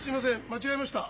間違えました。